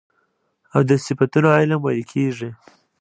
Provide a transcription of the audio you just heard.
او د صفتونو علم ويل کېږي .